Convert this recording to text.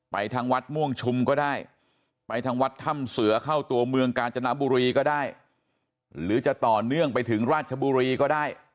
ทางวัดม่วงชุมก็ได้ไปทางวัดถ้ำเสือเข้าตัวเมืองกาญจนบุรีก็ได้หรือจะต่อเนื่องไปถึงราชบุรีก็ได้